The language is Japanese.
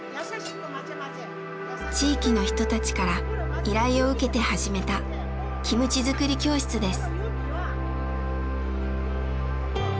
地域の人たちから依頼を受けて始めたキムチづくり教室です。